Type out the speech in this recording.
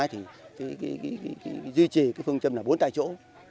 thì duy trì phương châm là bốn tại chỗ